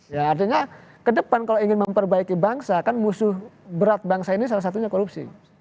ya artinya ke depan kalau ingin memperbaiki bangsa kan musuh berat bangsa ini salah satunya korupsi